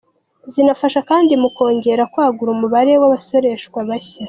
Zinafasha kandi mu kongera kwagura umubare w’abasoreshwa bashya.